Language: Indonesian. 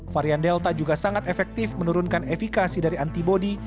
varian delta juga sangat efektif menurunkan efikasi dari antibody